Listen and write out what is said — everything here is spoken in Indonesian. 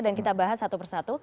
dan kita bahas satu persatu